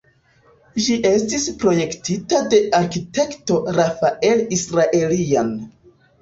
Ĝi estis projektita de arkitekto Rafael Israeljan.